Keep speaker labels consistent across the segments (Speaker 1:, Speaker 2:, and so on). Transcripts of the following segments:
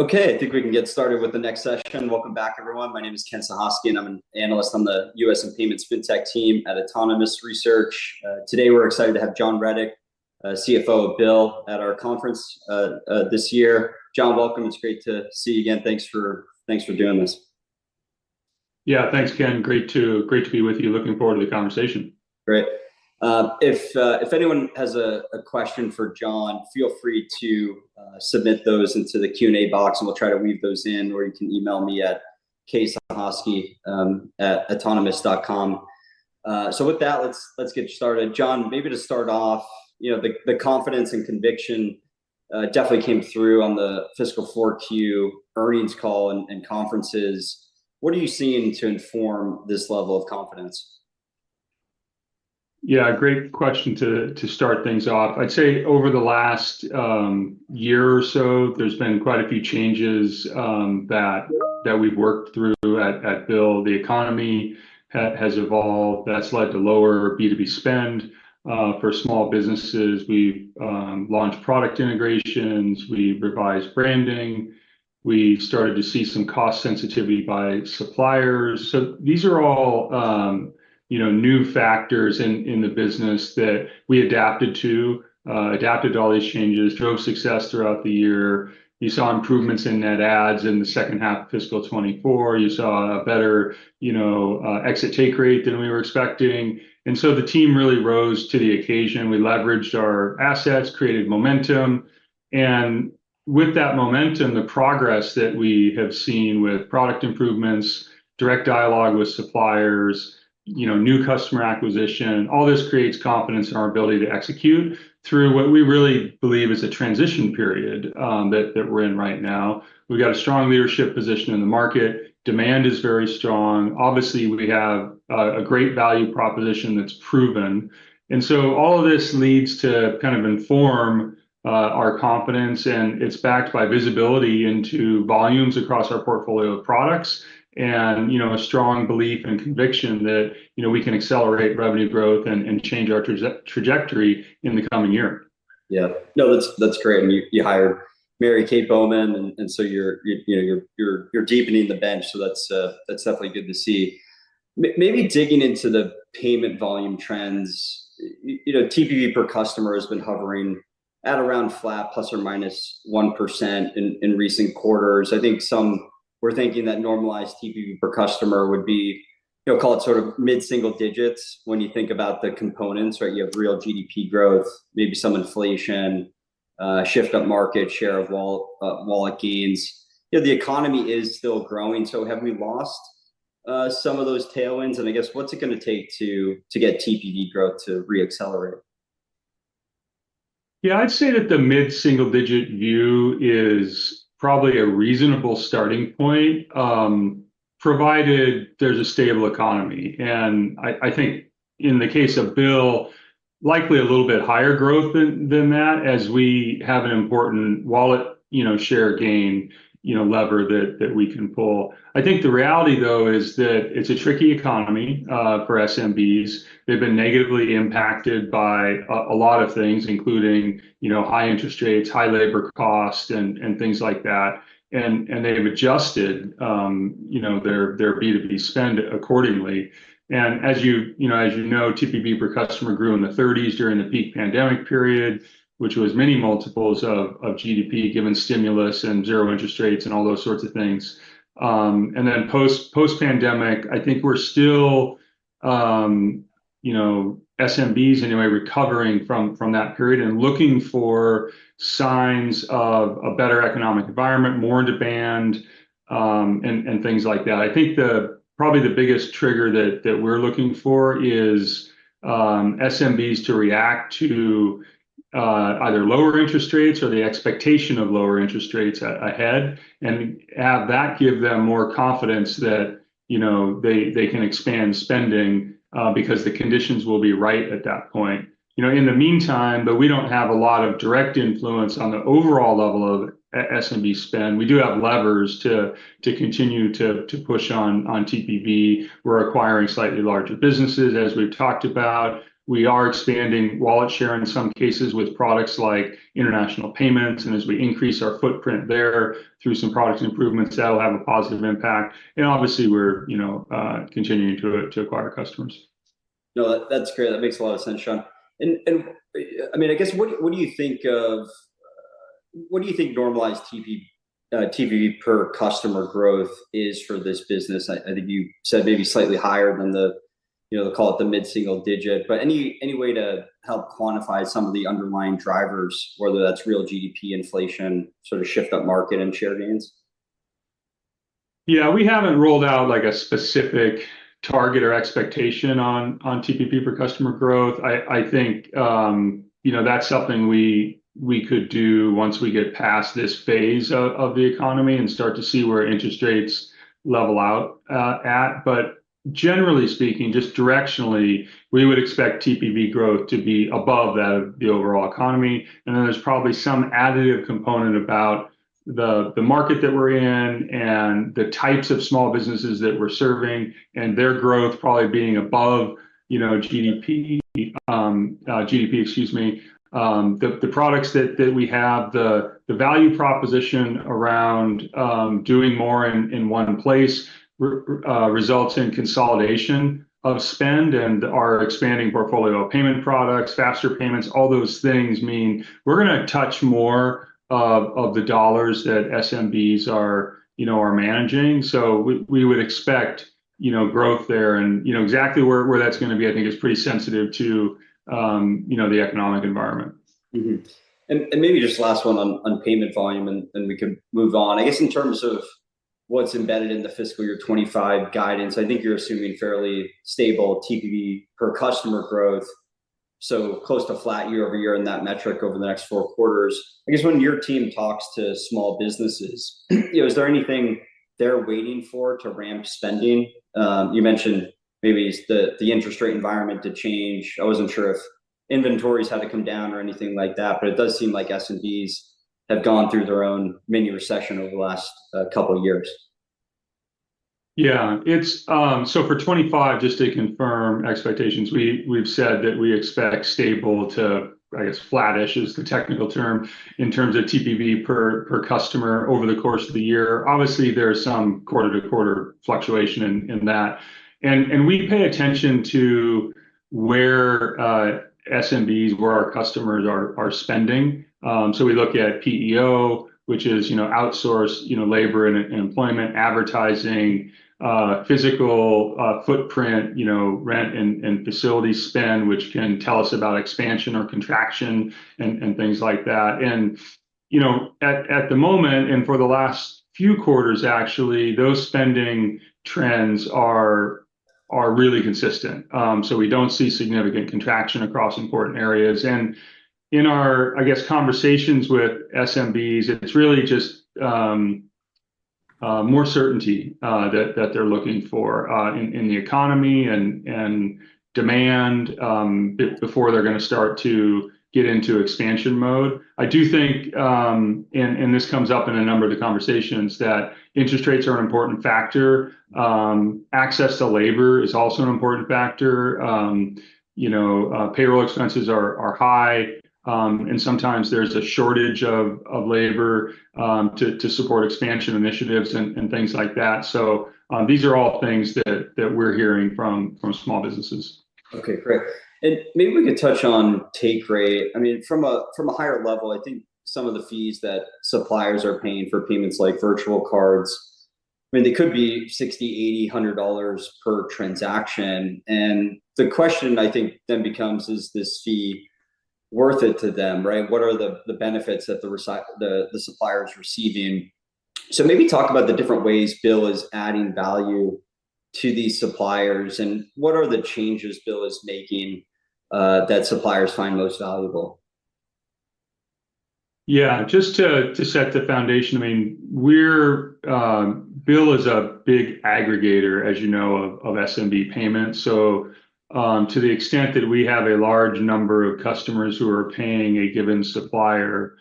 Speaker 1: Okay, I think we can get started with the next session. Welcome back, everyone. My name is Ken Suchoski, and I'm an analyst on the U.S. and Payments Fintech team at Autonomous Research. Today, we're excited to have John Rettig, CFO of Bill, at our conference this year. John, welcome. It's great to see you again. Thanks for doing this.
Speaker 2: Yeah, thanks, Ken. Great to be with you. Looking forward to the conversation.
Speaker 1: Great. If anyone has a question for John, feel free to submit those into the Q&A box, and we'll try to weave those in, or you can email me at ksuchoski@autonomous.com. So with that, let's get started. John, maybe to start off, you know, the confidence and conviction definitely came through on the fiscal fourth Q earnings call and conferences. What are you seeing to inform this level of confidence?
Speaker 2: Yeah, great question to start things off. I'd say over the last year or so, there's been quite a few changes that we've worked through at BILL. The economy has evolved. That's led to lower B2B spend for small businesses. We've launched product integrations. We revised branding. We started to see some cost sensitivity by suppliers. So these are all, you know, new factors in the business that we adapted to all these changes to have success throughout the year. You saw improvements in net adds in the second half of fiscal 2024. You saw a better, you know, exit take rate than we were expecting, and so the team really rose to the occasion. We leveraged our assets, created momentum, and with that momentum, the progress that we have seen with product improvements, direct dialogue with suppliers, you know, new customer acquisition, all this creates confidence in our ability to execute through what we really believe is a transition period that we're in right now. We've got a strong leadership position in the market. Demand is very strong. Obviously, we have a great value proposition that's proven, and so all of this leads to kind of inform our confidence, and it's backed by visibility into volumes across our portfolio of products and, you know, a strong belief and conviction that, you know, we can accelerate revenue growth and change our trajectory in the coming year.
Speaker 1: Yeah. No, that's great, and you hired Mary Kay Bowman, and so you're, you know, you're deepening the bench. So that's definitely good to see. Maybe digging into the payment volume trends, you know, TPV per customer has been hovering at around flat, plus or minus 1% in recent quarters. I think some were thinking that normalized TPV per customer would be, you know, call it sort of mid-single digits when you think about the components, right? You have real GDP growth, maybe some inflation, shift up market, share of wallet gains. You know, the economy is still growing, so have we lost some of those tailwinds? And I guess, what's it gonna take to get TPV growth to re-accelerate?
Speaker 2: Yeah, I'd say that the mid-single-digit view is probably a reasonable starting point, provided there's a stable economy. And I think in the case of BILL, likely a little bit higher growth than that, as we have an important wallet, you know, share gain, you know, lever that we can pull. I think the reality, though, is that it's a tricky economy for SMBs. They've been negatively impacted by a lot of things, including, you know, high interest rates, high labor cost, and things like that, and they've adjusted, you know, their B2B spend accordingly. And as you, you know, as you know, TPV per customer grew in the thirties during the peak pandemic period, which was many multiples of GDP, given stimulus and zero interest rates and all those sorts of things. And then post-pandemic, I think we're still, you know, SMBs anyway, recovering from that period and looking for signs of a better economic environment, more demand, and things like that. I think probably the biggest trigger that we're looking for is SMBs to react to either lower interest rates or the expectation of lower interest rates ahead, and have that give them more confidence that, you know, they can expand spending because the conditions will be right at that point. You know, in the meantime, but we don't have a lot of direct influence on the overall level of SMB spend. We do have levers to continue to push on TPV. We're acquiring slightly larger businesses, as we've talked about. We are expanding wallet share in some cases with products like international payments, and as we increase our footprint there through some product improvements, that will have a positive impact, and obviously, we're, you know, continuing to acquire customers.
Speaker 1: No, that's great. That makes a lot of sense, John. And, I mean, I guess, what do you think of... What do you think normalized TPV, TPV per customer growth is for this business? I think you said maybe slightly higher than the, you know, the call it the mid-single digit, but any way to help quantify some of the underlying drivers, whether that's real GDP inflation, sort of shift up market and share gains?
Speaker 2: Yeah, we haven't ruled out, like, a specific target or expectation on TPV per customer growth. I think, you know, that's something we could do once we get past this phase of the economy and start to see where interest rates level out at. But generally speaking, just directionally, we would expect TPV growth to be above that of the overall economy, and then there's probably some additive component about... The market that we're in and the types of small businesses that we're serving, and their growth probably being above, you know, GDP. Excuse me, the products that we have, the value proposition around doing more in one place results in consolidation of spend and our expanding portfolio of payment products, faster payments. All those things mean we're gonna touch more of the dollars that SMBs are, you know, managing. So we would expect, you know, growth there, and, you know, exactly where that's gonna be, I think is pretty sensitive to, you know, the economic environment.
Speaker 1: Mm-hmm. And maybe just last one on payment volume, and we can move on. I guess in terms of what's embedded in the fiscal year 2025 guidance, I think you're assuming fairly stable TPV per customer growth, so close to flat year over year in that metric over the next four quarters. I guess when your team talks to small businesses, you know, is there anything they're waiting for to ramp spending? You mentioned maybe the interest rate environment to change. I wasn't sure if inventories had to come down or anything like that, but it does seem like SMBs have gone through their own mini recession over the last couple years.
Speaker 2: Yeah. It's so for 2025, just to confirm expectations, we've said that we expect stable to, I guess, flattish is the technical term, in terms of TPV per customer over the course of the year. Obviously, there's some quarter-to-quarter fluctuation in that, and we pay attention to where SMBs, where our customers are spending, so we look at PEO, which is, you know, outsourced, you know, labor and employment, advertising, physical footprint, you know, rent and facility spend, which can tell us about expansion or contraction and things like that and, you know, at the moment, and for the last few quarters actually, those spending trends are really consistent, so we don't see significant contraction across important areas. And in our, I guess, conversations with SMBs, it's really just more certainty that they're looking for in the economy and demand before they're gonna start to get into expansion mode. I do think, and this comes up in a number of the conversations, that interest rates are an important factor. Access to labor is also an important factor. You know, payroll expenses are high, and sometimes there's a shortage of labor to support expansion initiatives and things like that. So, these are all things that we're hearing from small businesses.
Speaker 1: Okay, great. Maybe we could touch on take rate. I mean, from a higher level, I think some of the fees that suppliers are paying for payments like virtual cards, I mean, they could be $60, $80, $100 per transaction, and the question I think then becomes, is this fee worth it to them, right? What are the benefits that the supplier is receiving? Maybe talk about the different ways BILL is adding value to these suppliers, and what are the changes BILL is making that suppliers find most valuable?
Speaker 2: Yeah. Just to set the foundation, I mean, we're BILL is a big aggregator, as you know, of SMB payments. So, to the extent that we have a large number of customers who are paying a given supplier,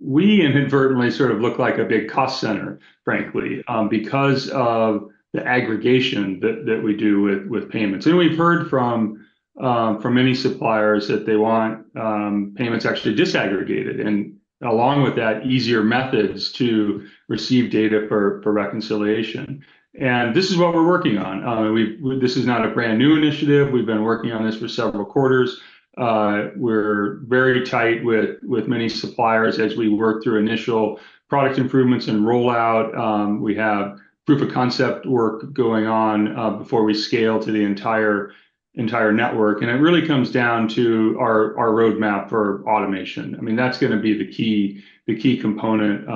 Speaker 2: we inadvertently sort of look like a big cost center, frankly, because of the aggregation that we do with payments. And we've heard from many suppliers that they want payments actually disaggregated and, along with that, easier methods to receive data for reconciliation. And this is what we're working on. This is not a brand-new initiative. We've been working on this for several quarters. We're very tight with many suppliers as we work through initial product improvements and rollout. We have proof-of-concept work going on before we scale to the entire network. And it really comes down to our roadmap for automation. I mean, that's gonna be the key, the key component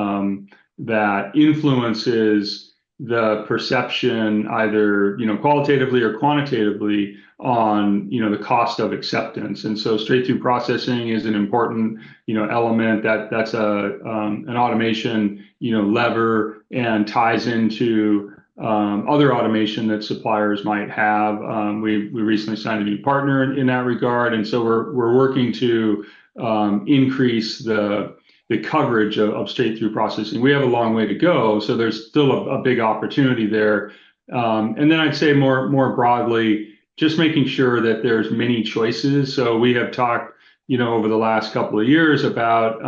Speaker 2: that influences the perception either, you know, qualitatively or quantitatively, on, you know, the cost of acceptance. And so straight-through processing is an important, you know, element that's an automation, you know, lever and ties into other automation that suppliers might have. We recently signed a new partner in that regard, and so we're working to increase the coverage of straight-through processing. We have a long way to go, so there's still a big opportunity there. And then I'd say more broadly, just making sure that there's many choices. So we have talked, you know, over the last couple of years about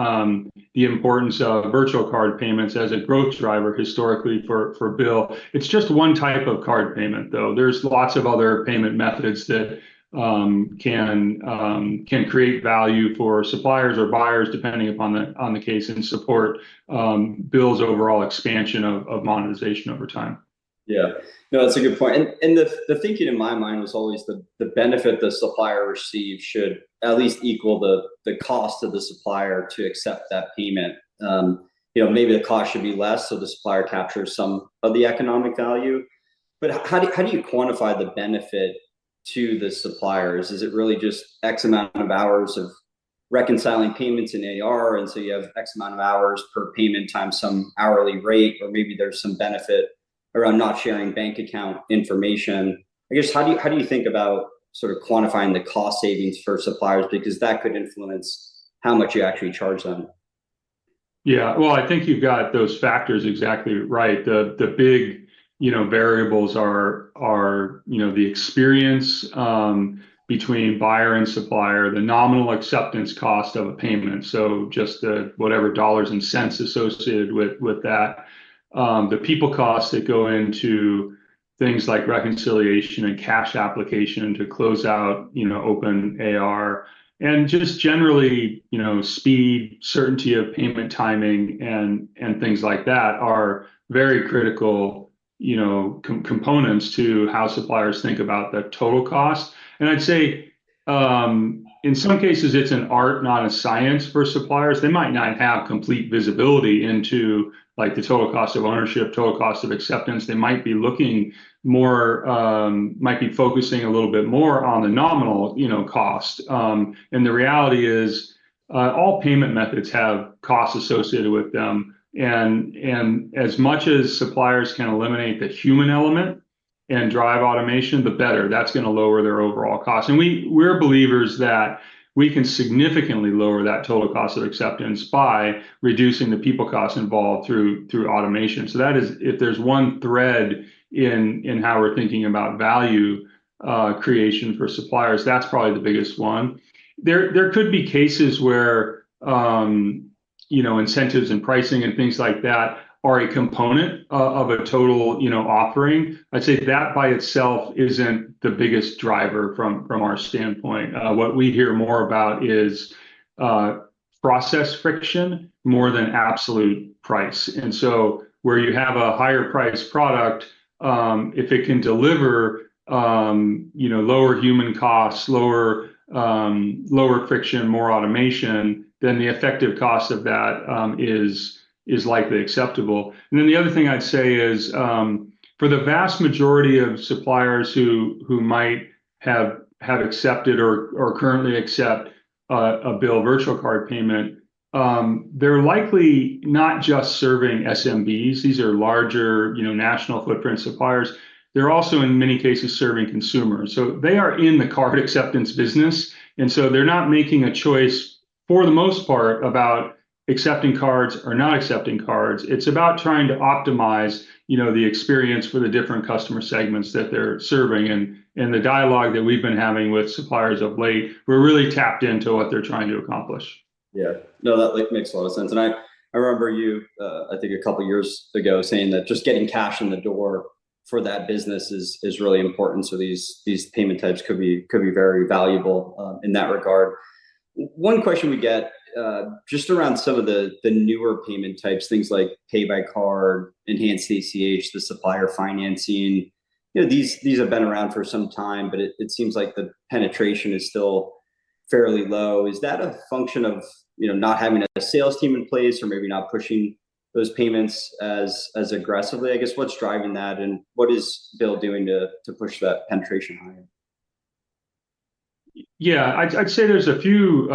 Speaker 2: the importance of virtual card payments as a growth driver historically for BILL. It's just one type of card payment, though. There's lots of other payment methods that can create value for suppliers or buyers, depending upon the case, and support BILL's overall expansion of monetization over time.
Speaker 1: Yeah. No, that's a good point. And the thinking in my mind was always the benefit the supplier received should at least equal the cost of the supplier to accept that payment. You know, maybe the cost should be less, so the supplier captures some of the economic value. But how do you quantify the benefit to the suppliers? Is it really just X amount of hours of reconciling payments in AR, and so you have X amount of hours per payment times some hourly rate, or maybe there's some benefit around not sharing bank account information, I guess, how do you think about sort of quantifying the cost savings for suppliers? Because that could influence how much you actually charge them.
Speaker 2: Yeah. Well, I think you've got those factors exactly right. The big, you know, variables are, you know, the experience between buyer and supplier, the nominal acceptance cost of a payment, so just the whatever dollars and cents associated with that. The people costs that go into things like reconciliation and cash application to close out, you know, open AR. And just generally, you know, speed, certainty of payment timing, and things like that are very critical, you know, components to how suppliers think about the total cost. And I'd say, in some cases, it's an art, not a science, for suppliers. They might not have complete visibility into, like, the total cost of ownership, total cost of acceptance. They might be looking more, might be focusing a little bit more on the nominal, you know, cost. And the reality is, all payment methods have costs associated with them, and as much as suppliers can eliminate the human element and drive automation, the better. That's gonna lower their overall cost. And we're believers that we can significantly lower that total cost of acceptance by reducing the people costs involved through automation. So that is, if there's one thread in how we're thinking about value creation for suppliers, that's probably the biggest one. There could be cases where, you know, incentives and pricing and things like that are a component of a total, you know, offering. I'd say that, by itself, isn't the biggest driver from our standpoint. What we hear more about is process friction more than absolute price. Where you have a higher priced product, if it can deliver, you know, lower human costs, lower friction, more automation, then the effective cost of that is likely acceptable. Then the other thing I'd say is, for the vast majority of suppliers who might have accepted or currently accept a BILL Virtual Card payment, they're likely not just serving SMBs. These are larger, you know, national footprint suppliers. They're also, in many cases, serving consumers. So they are in the card acceptance business, and so they're not making a choice, for the most part, about accepting cards or not accepting cards. It's about trying to optimize, you know, the experience for the different customer segments that they're serving. The dialogue that we've been having with suppliers of late. We're really tapped into what they're trying to accomplish.
Speaker 1: Yeah. No, that, like, makes a lot of sense. And I remember you, I think a couple years ago, saying that just getting cash in the door for that business is really important, so these payment types could be very valuable in that regard. One question we get just around some of the newer payment types, things like Pay By Card, enhanced ACH, the supplier financing. You know, these have been around for some time, but it seems like the penetration is still fairly low. Is that a function of, you know, not having a sales team in place or maybe not pushing those payments as aggressively? I guess, what's driving that, and what is BILL doing to push that penetration higher?
Speaker 2: Yeah. I'd say there's a few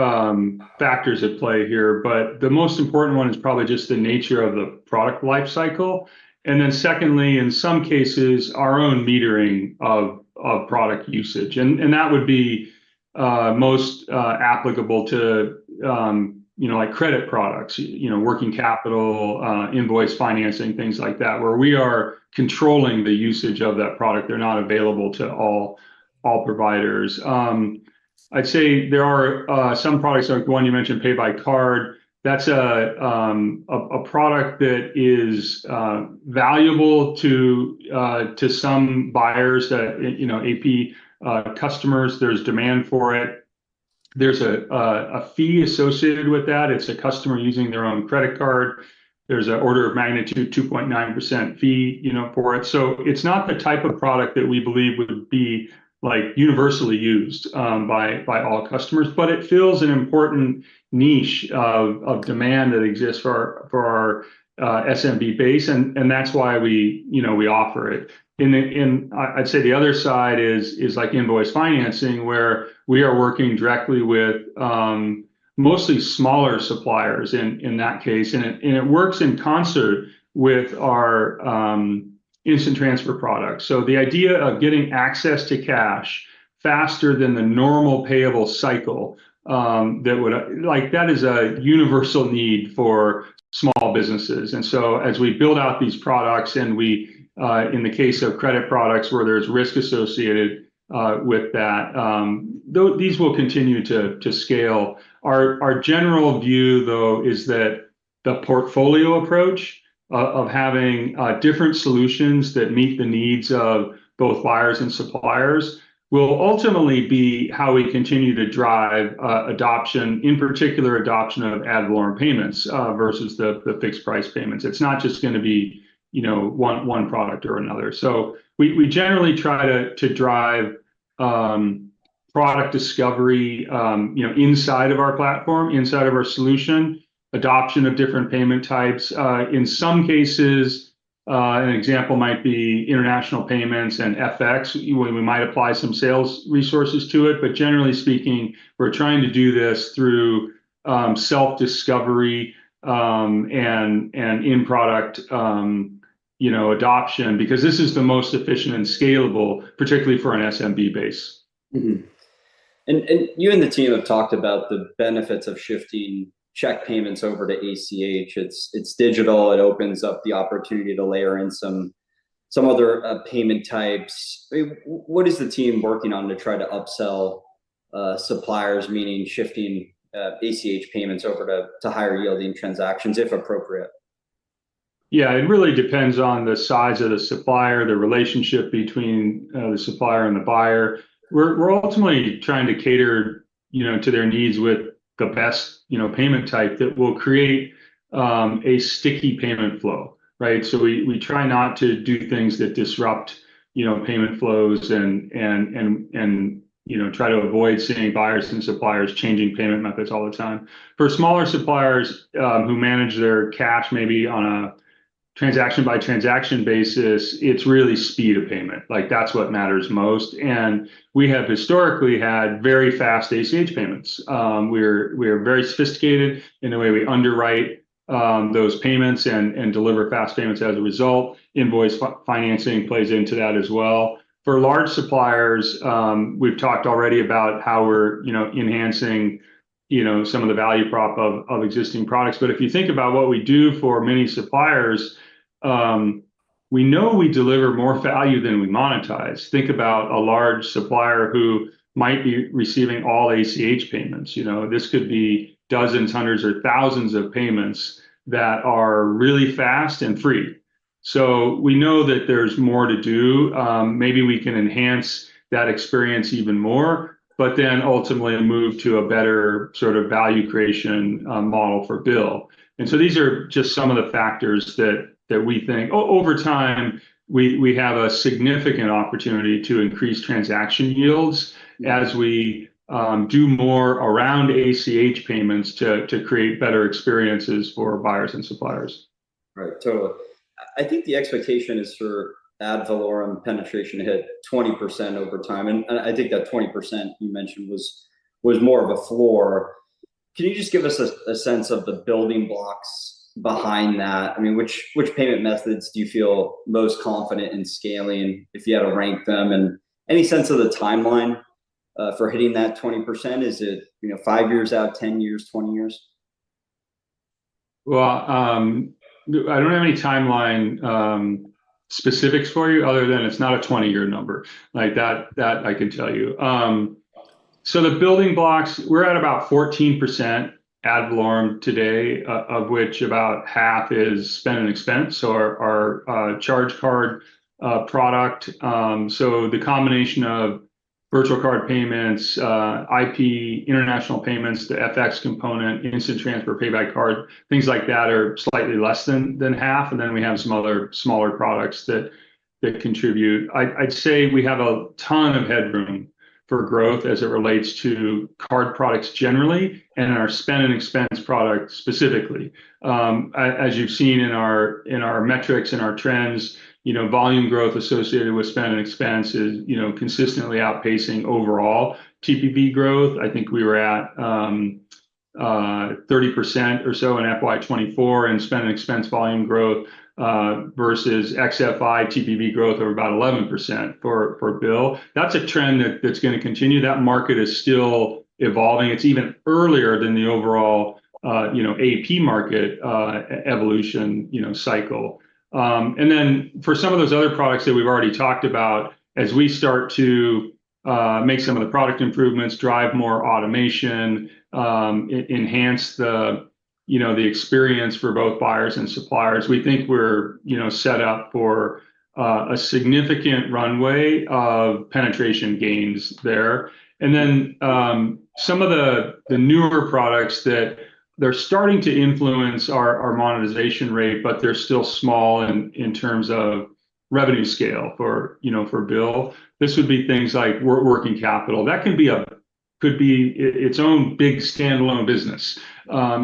Speaker 2: factors at play here, but the most important one is probably just the nature of the product life cycle, and then secondly, in some cases, our own metering of product usage, and that would be most applicable to you know, like credit products, you know, working capital, invoice financing, things like that, where we are controlling the usage of that product. They're not available to all providers. I'd say there are some products, like the one you mentioned, pay by card, that's a product that is valuable to some buyers that you know, AP customers. There's demand for it. There's a fee associated with that. It's a customer using their own credit card. There's an order of magnitude, 2.9% fee, you know, for it, so it's not the type of product that we believe would be, like, universally used by all customers, but it fills an important niche of demand that exists for our SMB base, and that's why we, you know, we offer it, and then, I'd say the other side is like invoice financing, where we are working directly with mostly smaller suppliers in that case, and it works in concert with our Instant Transfer product, so the idea of getting access to cash faster than the normal payable cycle, that would, like, that is a universal need for small businesses. And so as we build out these products, and we, in the case of credit products, where there's risk associated with that, these will continue to scale. Our general view, though, is that the portfolio approach of having different solutions that meet the needs of both buyers and suppliers will ultimately be how we continue to drive adoption, in particular, adoption of ad valorem payments versus the fixed price payments. It's not just gonna be, you know, one product or another. So we generally try to drive product discovery, you know, inside of our platform, inside of our solution, adoption of different payment types. In some cases, an example might be international payments and FX, where we might apply some sales resources to it, but generally speaking, we're trying to do this through self-discovery, and in product, you know, adoption, because this is the most efficient and scalable, particularly for an SMB base.
Speaker 1: Mm-hmm, and you and the team have talked about the benefits of shifting check payments over to ACH. It's digital, it opens up the opportunity to layer in some other payment types. What is the team working on to try to upsell suppliers, meaning shifting ACH payments over to higher-yielding transactions, if appropriate?
Speaker 2: Yeah, it really depends on the size of the supplier, the relationship between the supplier and the buyer. We're ultimately trying to cater, you know, to their needs with the best, you know, payment type that will create a sticky payment flow, right? So we try not to do things that disrupt, you know, payment flows and try to avoid seeing buyers and suppliers changing payment methods all the time. For smaller suppliers who manage their cash maybe on a transaction-by-transaction basis, it's really speed of payment, like, that's what matters most, and we have historically had very fast ACH payments. We're very sophisticated in the way we underwrite those payments and deliver fast payments as a result. Invoice financing plays into that as well. For large suppliers, we've talked already about how we're, you know, enhancing, you know, some of the value prop of existing products, but if you think about what we do for many suppliers, we know we deliver more value than we monetize. Think about a large supplier who might be receiving all ACH payments, you know. This could be dozens, hundreds or thousands of payments that are really fast and free, so we know that there's more to do. Maybe we can enhance that experience even more, but then ultimately move to a better sort of value creation model for Bill, and so these are just some of the factors that we think over time, we have a significant opportunity to increase transaction yields as we do more around ACH payments to create better experiences for buyers and suppliers.
Speaker 1: Right. So I think the expectation is for ad valorem penetration to hit 20% over time, and I think that 20% you mentioned was more of a floor. Can you just give us a sense of the building blocks behind that? I mean, which payment methods do you feel most confident in scaling, if you had to rank them? And any sense of the timeline for hitting that 20%? Is it, you know, five years out, 10 years, 20 years?
Speaker 2: I don't have any timeline specifics for you other than it's not a twenty-year number. Like, that I can tell you. So the building blocks, we're at about 14% ad valorem today, of which about half is Spend & Expense, so our charge card product. So the combination of virtual card payments, IP, international payments, the FX component, instant transfer, pay by card, things like that are slightly less than half, and then we have some other smaller products that contribute. I'd say we have a ton of headroom for growth as it relates to card products generally, and our spend and expense products specifically. As you've seen in our metrics and our trends, you know, volume growth associated with spend and expense is, you know, consistently outpacing overall TPV growth. I think we were at 30% or so in FY24 in spend and expense volume growth versus ex-FI TPV growth of about 11% for Core BILL. That's a trend that's gonna continue. That market is still evolving. It's even earlier than the overall you know AP market evolution you know cycle. And then for some of those other products that we've already talked about, as we start to make some of the product improvements, drive more automation, enhance the you know the experience for both buyers and suppliers, we think we're you know set up for a significant runway of penetration gains there. And then some of the newer products that they're starting to influence our monetization rate, but they're still small in terms of revenue scale for you know for BILL. This would be things like working capital. That could be its own big standalone business,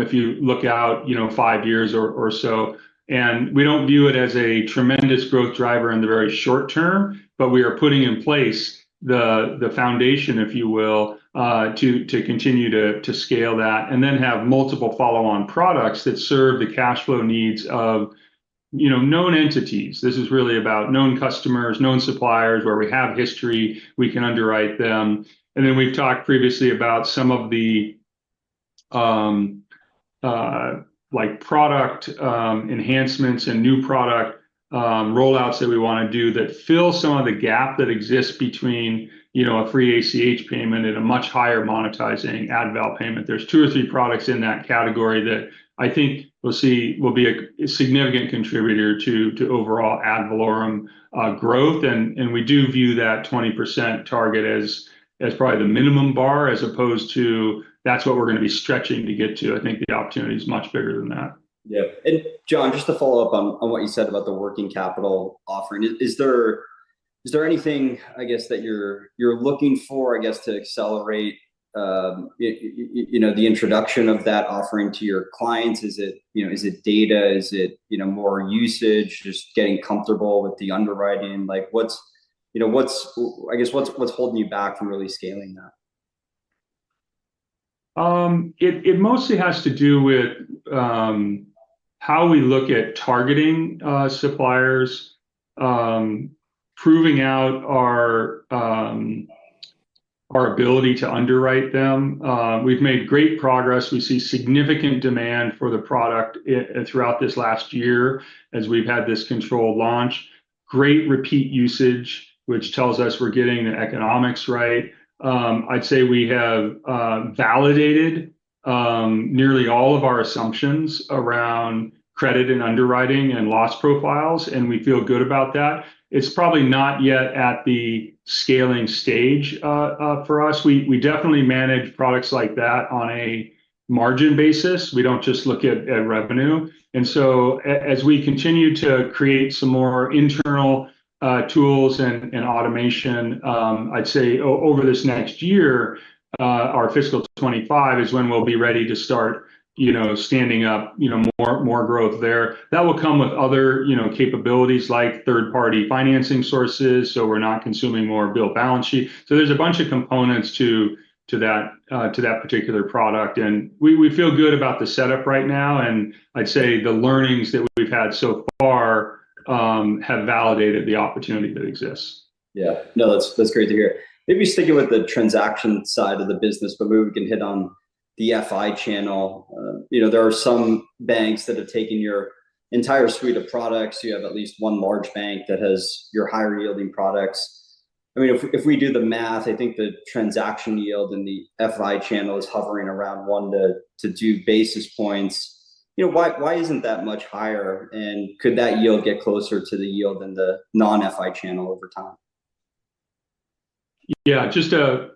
Speaker 2: if you look out, you know, five years or so. And we don't view it as a tremendous growth driver in the very short term, but we are putting in place the foundation, if you will, to continue to scale that, and then have multiple follow-on products that serve the cash flow needs of, you know, known entities. This is really about known customers, known suppliers, where we have history, we can underwrite them. And then we've talked previously about some of the like product enhancements and new product rollouts that we wanna do that fill some of the gap that exists between, you know, a free ACH payment and a much higher monetizing ad valorem payment. There's two or three products in that category that I think we'll see will be a significant contributor to overall Ad Valorem growth, and we do view that 20% target as probably the minimum bar, as opposed to that's what we're gonna be stretching to get to. I think the opportunity is much bigger than that.
Speaker 1: Yeah. And John, just to follow up on what you said about the working capital offering, is there anything, I guess, that you're looking for, I guess, to accelerate, you know, the introduction of that offering to your clients? Is it, you know, is it data? Is it, you know, more usage, just getting comfortable with the underwriting? Like, what's, you know, I guess, what's holding you back from really scaling that? ...
Speaker 2: it mostly has to do with how we look at targeting suppliers, proving out our ability to underwrite them. We've made great progress. We see significant demand for the product throughout this last year as we've had this controlled launch. Great repeat usage, which tells us we're getting the economics right. I'd say we have validated nearly all of our assumptions around credit and underwriting and loss profiles, and we feel good about that. It's probably not yet at the scaling stage for us. We definitely manage products like that on a margin basis. We don't just look at revenue. And so as we continue to create some more internal tools and automation, I'd say over this next year, our fiscal 2025 is when we'll be ready to start, you know, standing up, you know, more growth there. That will come with other, you know, capabilities, like third-party financing sources, so we're not consuming more BILL balance sheet. So there's a bunch of components to that particular product, and we feel good about the setup right now, and I'd say the learnings that we've had so far have validated the opportunity that exists.
Speaker 1: Yeah. No, that's, that's great to hear. Maybe sticking with the transaction side of the business, but maybe we can hit on the FI channel. You know, there are some banks that have taken your entire suite of products. You have at least one large bank that has your higher-yielding products. I mean, if, if we do the math, I think the transaction yield in the FI channel is hovering around one to two basis points. You know, why, why isn't that much higher, and could that yield get closer to the yield in the non-FI channel over time?
Speaker 2: Yeah, just to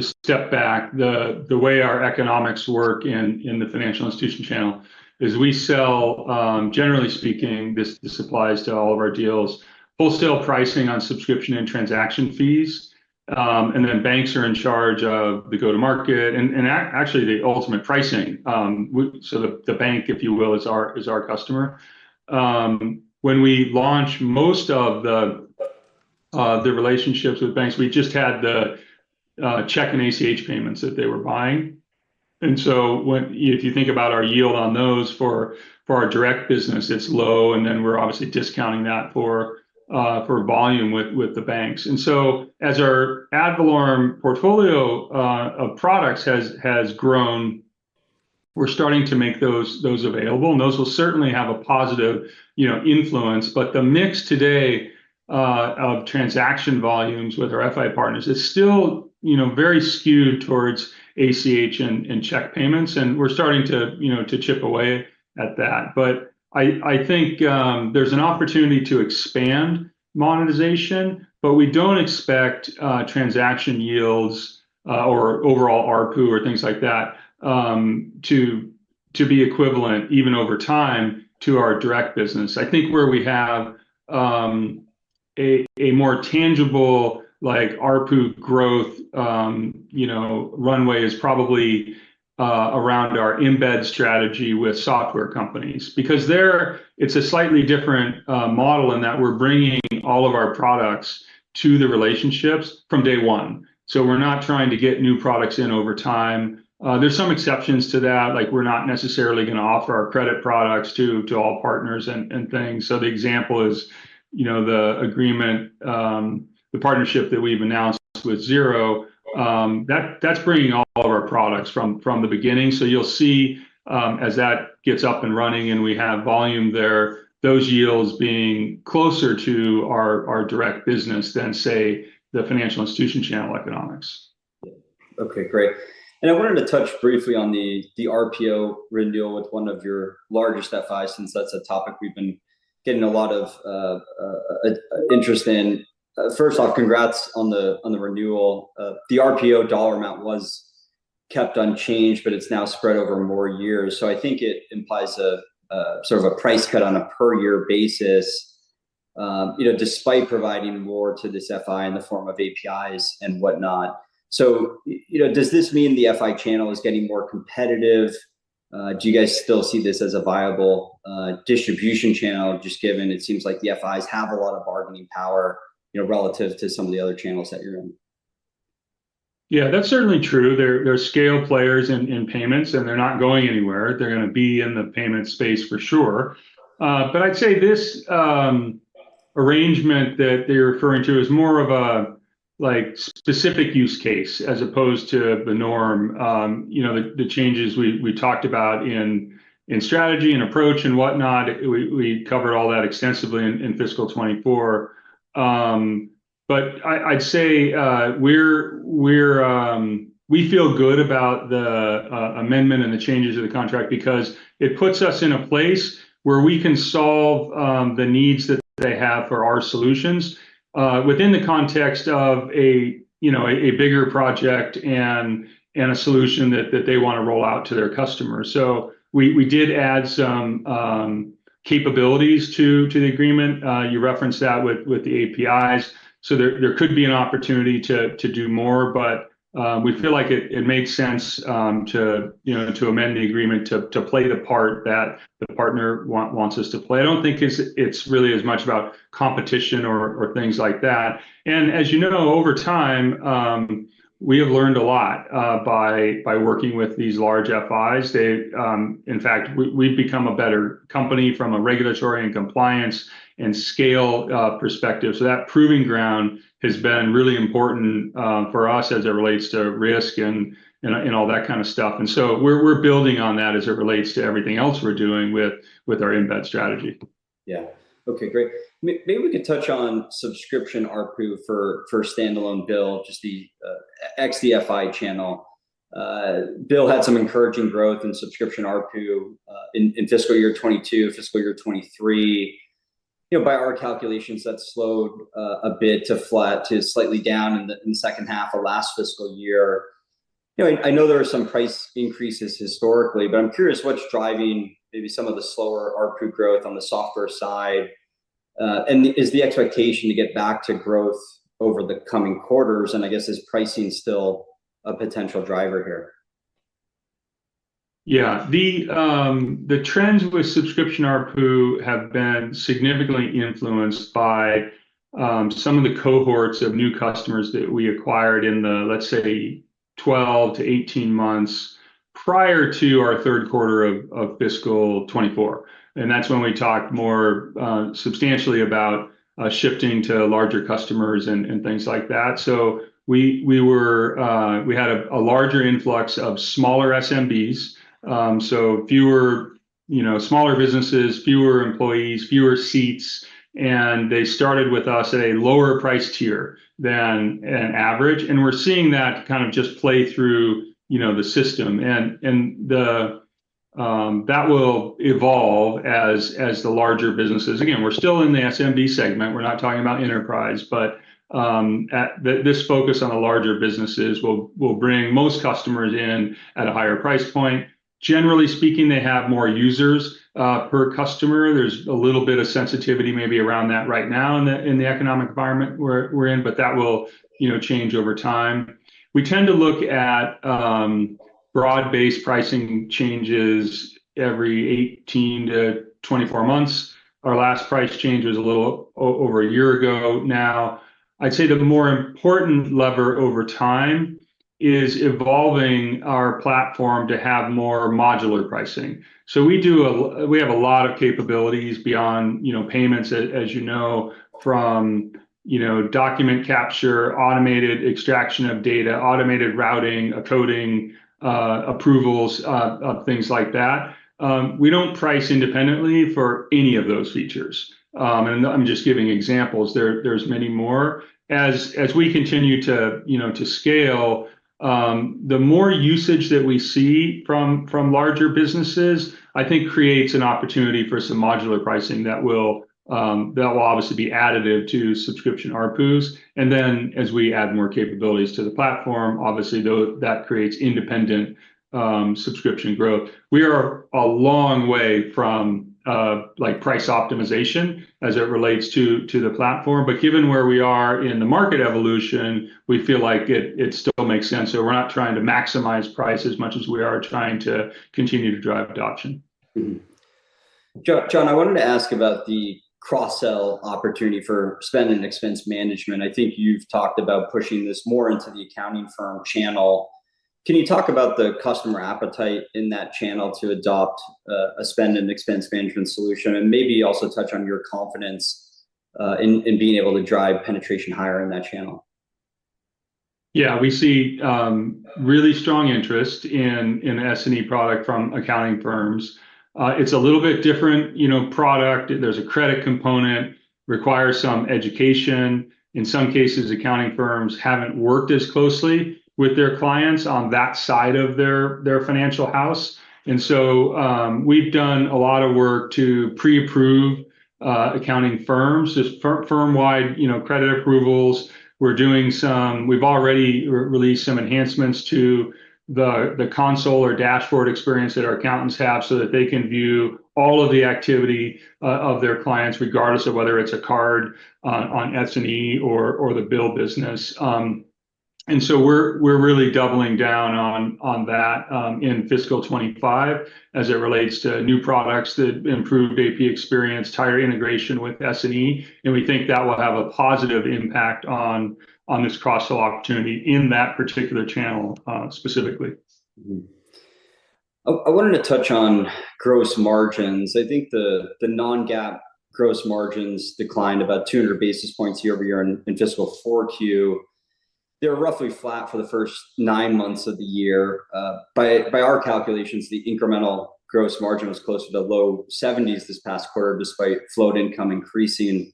Speaker 2: step back, the way our economics work in the financial institution channel is we sell, generally speaking, this applies to all of our deals, wholesale pricing on subscription and transaction fees. And then banks are in charge of the go-to-market and actually the ultimate pricing. So the bank, if you will, is our customer. When we launched most of the relationships with banks, we just had the check and ACH payments that they were buying. And so if you think about our yield on those for our direct business, it's low, and then we're obviously discounting that for volume with the banks. And so as our ad valorem portfolio of products has grown, we're starting to make those available, and those will certainly have a positive, you know, influence. But the mix today of transaction volumes with our FI partners is still, you know, very skewed towards ACH and check payments, and we're starting to, you know, to chip away at that. But I think there's an opportunity to expand monetization, but we don't expect transaction yields or overall ARPU or things like that to be equivalent even over time to our direct business. I think where we have a more tangible, like, ARPU growth, you know, runway is probably around our embed strategy with software companies. Because there it's a slightly different model in that we're bringing all of our products to the relationships from day one. So we're not trying to get new products in over time. There's some exceptions to that, like we're not necessarily gonna offer our credit products to all partners and things. So the example is, you know, the agreement, the partnership that we've announced with Xero, that that's bringing all of our products from the beginning. So you'll see, as that gets up and running and we have volume there, those yields being closer to our direct business than, say, the financial institution channel economics.
Speaker 1: Okay, great. And I wanted to touch briefly on the RPO renewal with one of your largest FIs, since that's a topic we've been getting a lot of interest in. First off, congrats on the renewal. The RPO dollar amount was kept unchanged, but it's now spread over more years. So I think it implies a sort of a price cut on a per-year basis, you know, despite providing more to this FI in the form of APIs and whatnot. So, you know, does this mean the FI channel is getting more competitive? Do you guys still see this as a viable distribution channel, just given it seems like the FIs have a lot of bargaining power, you know, relative to some of the other channels that you're in?
Speaker 2: Yeah, that's certainly true. They're scale players in payments, and they're not going anywhere. They're gonna be in the payment space for sure. But I'd say this, arrangement that they're referring to is more of a, like, specific use case as opposed to the norm. You know, the changes we talked about in strategy and approach and whatnot, we covered all that extensively in fiscal 2024. But I'd say, we're we feel good about the amendment and the changes of the contract because it puts us in a place where we can solve the needs that they have for our solutions, within the context of a, you know, a bigger project and a solution that they want to roll out to their customers. So we did add some capabilities to the agreement. You referenced that with the APIs. So there could be an opportunity to do more, but we feel like it makes sense to, you know, to amend the agreement to play the part that the partner wants us to play. I don't think it's really as much about competition or things like that. As you know, over time, we have learned a lot by working with these large FIs. In fact, we've become a better company from a regulatory and compliance and scale perspective. That proving ground has been really important for us as it relates to risk and all that kind of stuff. And so we're building on that as it relates to everything else we're doing with our embed strategy.
Speaker 1: Yeah. Okay, great. Maybe we could touch on subscription ARPU for standalone BILL, just the XDFI channel. BILL had some encouraging growth in subscription ARPU in fiscal year 2022. Fiscal year 2023, you know, by our calculations, that slowed a bit to flat to slightly down in the second half of last fiscal year. You know, I know there are some price increases historically, but I'm curious what's driving maybe some of the slower ARPU growth on the software side? And is the expectation to get back to growth over the coming quarters, and I guess is pricing still a potential driver here?
Speaker 2: Yeah. The trends with subscription ARPU have been significantly influenced by some of the cohorts of new customers that we acquired in the, let's say, 12 to 18 months prior to our third quarter of fiscal 2024. And that's when we talked more substantially about shifting to larger customers and things like that. So we had a larger influx of smaller SMBs. So fewer, you know, smaller businesses, fewer employees, fewer seats, and they started with us at a lower price tier than an average. And we're seeing that kind of just play through, you know, the system. And that will evolve as the larger businesses. Again, we're still in the SMB segment. We're not talking about enterprise, but at... This focus on the larger businesses will bring most customers in at a higher price point. Generally speaking, they have more users per customer. There's a little bit of sensitivity maybe around that right now in the economic environment we're in, but that will, you know, change over time. We tend to look at broad-based pricing changes every 18-24 months. Our last price change was a little over a year ago now. I'd say that the more important lever over time is evolving our platform to have more modular pricing. So we have a lot of capabilities beyond, you know, payments as, as you know, from, you know, document capture, automated extraction of data, automated routing, coding, approvals, things like that. We don't price independently for any of those features. And I'm just giving examples there. There's many more. As we continue to, you know, to scale, the more usage that we see from larger businesses, I think creates an opportunity for some modular pricing that will obviously be additive to subscription ARPUs. And then, as we add more capabilities to the platform, obviously, that creates independent subscription growth. We are a long way from, like, price optimization as it relates to the platform, but given where we are in the market evolution, we feel like it still makes sense. So we're not trying to maximize price as much as we are trying to continue to drive adoption.
Speaker 1: Mm-hmm. John, I wanted to ask about the cross-sell opportunity for spend and expense management. I think you've talked about pushing this more into the accounting firm channel. Can you talk about the customer appetite in that channel to adopt a spend and expense management solution, and maybe also touch on your confidence in being able to drive penetration higher in that channel?
Speaker 2: Yeah. We see really strong interest in S&E product from accounting firms. It's a little bit different, you know, product. There's a credit component, requires some education. In some cases, accounting firms haven't worked as closely with their clients on that side of their financial house. And so, we've done a lot of work to pre-approve accounting firms, just firm-wide, you know, credit approvals. We're doing we've already re-released some enhancements to the console or dashboard experience that our accountants have, so that they can view all of the activity of their clients, regardless of whether it's a card on S&E or the BILL business. And so we're really doubling down on that in fiscal 2025 as it relates to new products that improved AP experience, tighter integration with S&E, and we think that will have a positive impact on this cross-sell opportunity in that particular channel, specifically.
Speaker 1: I wanted to touch on gross margins. I think the non-GAAP gross margins declined about two hundred basis points year over year in fiscal 4Q. They were roughly flat for the first nine months of the year. By our calculations, the incremental gross margin was closer to low seventies this past quarter, despite float income increasing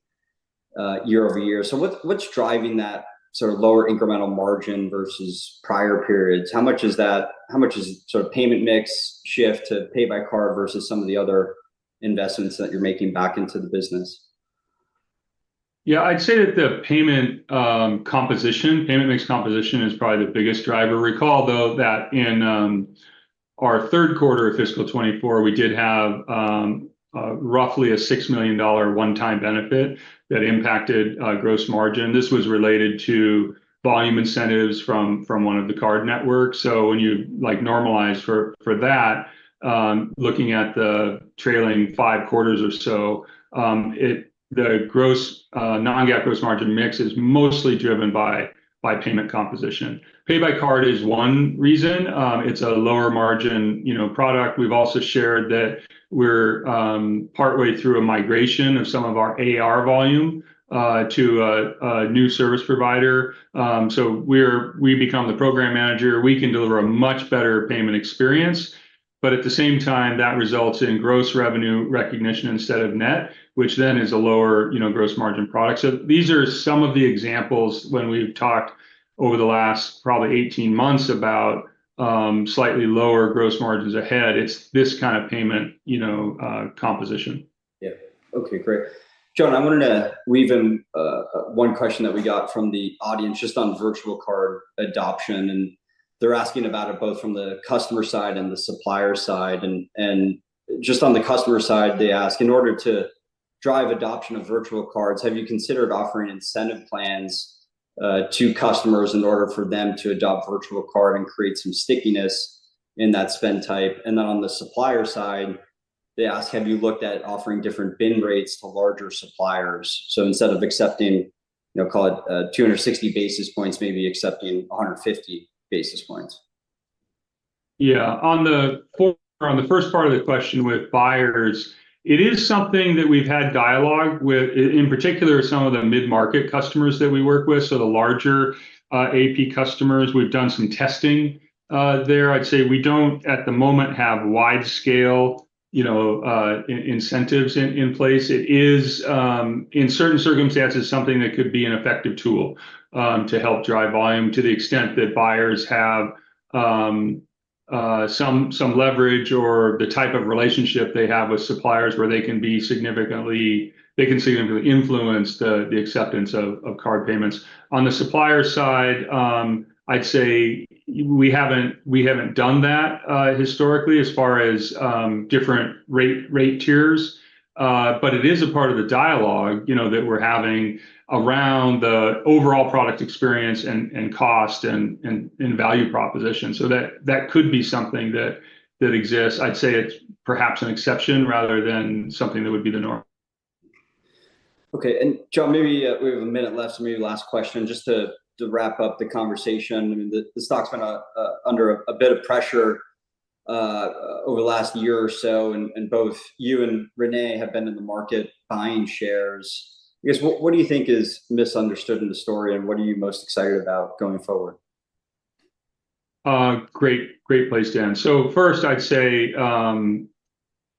Speaker 1: year over year. So what's driving that sort of lower incremental margin versus prior periods? How much is that... How much is sort of payment mix shift to pay by card versus some of the other investments that you're making back into the business?...
Speaker 2: Yeah, I'd say that the payment composition, payment mix composition is probably the biggest driver. Recall, though, that in our third quarter of fiscal 2024, we did have roughly a $6 million one-time benefit that impacted gross margin. This was related to volume incentives from one of the card networks. So when you, like, normalize for that, looking at the trailing five quarters or so, the gross non-GAAP gross margin mix is mostly driven by payment composition. Pay by card is one reason. It's a lower margin, you know, product. We've also shared that we're partway through a migration of some of our AR volume to a new service provider. So we become the program manager. We can deliver a much better payment experience, but at the same time, that results in gross revenue recognition instead of net, which then is a lower, you know, gross margin product. So these are some of the examples when we've talked over the last probably eighteen months about, slightly lower gross margins ahead. It's this kind of payment, you know, composition.
Speaker 1: Yeah. Okay, great. John, I wanted to weave in one question that we got from the audience just on virtual card adoption, and they're asking about it both from the customer side and the supplier side. And just on the customer side, they ask, "In order to drive adoption of virtual cards, have you considered offering incentive plans to customers in order for them to adopt virtual card and create some stickiness in that spend type?" And then on the supplier side, they ask, "Have you looked at offering different BIN rates to larger suppliers?" So instead of accepting, you know, call it two hundred and sixty basis points, maybe accepting a hundred and fifty basis points.
Speaker 2: Yeah. On the first part of the question with buyers, it is something that we've had dialogue with, in particular, some of the mid-market customers that we work with, so the larger AP customers. We've done some testing there. I'd say we don't, at the moment, have wide-scale, you know, incentives in place. It is, in certain circumstances, something that could be an effective tool, to help drive volume to the extent that buyers have, some leverage or the type of relationship they have with suppliers, where they can significantly influence the acceptance of card payments. On the supplier side, I'd say we haven't done that historically as far as different rate tiers. But it is a part of the dialogue, you know, that we're having around the overall product experience, and value proposition. So that could be something that exists. I'd say it's perhaps an exception rather than something that would be the norm.
Speaker 1: Okay, and John, maybe we have a minute left, so maybe last question, just to wrap up the conversation. I mean, the stock's been under a bit of pressure over the last year or so, and both you and René have been in the market buying shares. I guess, what do you think is misunderstood in the story, and what are you most excited about going forward?
Speaker 2: Great, great place to end. So first, I'd say,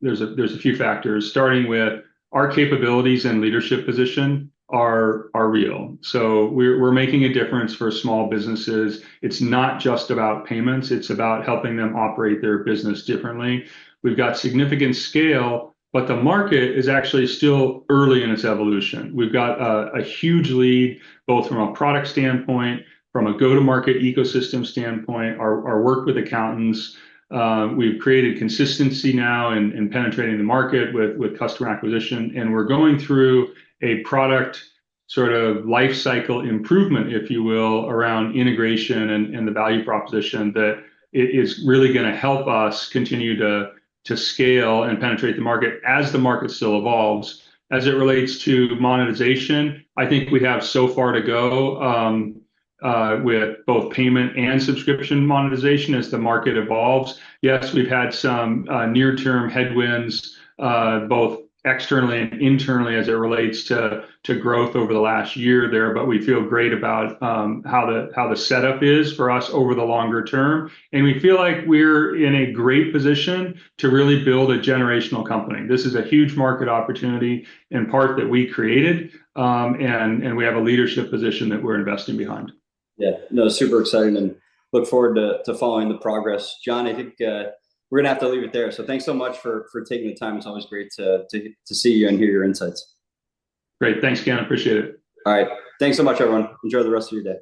Speaker 2: there's a few factors, starting with our capabilities and leadership position are real. So we're making a difference for small businesses. It's not just about payments. It's about helping them operate their business differently. We've got significant scale, but the market is actually still early in its evolution. We've got a huge lead, both from a product standpoint, from a go-to-market ecosystem standpoint, our work with accountants. We've created consistency now in penetrating the market with customer acquisition, and we're going through a product sort of life cycle improvement, if you will, around integration and the value proposition, that it is really gonna help us continue to scale and penetrate the market as the market still evolves. As it relates to monetization, I think we have so far to go with both payment and subscription monetization as the market evolves. Yes, we've had some near-term headwinds both externally and internally as it relates to growth over the last year there, but we feel great about how the setup is for us over the longer term, and we feel like we're in a great position to really build a generational company. This is a huge market opportunity, in part, that we created, and we have a leadership position that we're investing behind.
Speaker 1: Yeah. No, super exciting, and look forward to following the progress. John, I think, we're gonna have to leave it there, so thanks so much for taking the time. It's always great to see you and hear your insights.
Speaker 2: Great. Thanks, Ken. I appreciate it.
Speaker 1: All right. Thanks so much, everyone. Enjoy the rest of your day.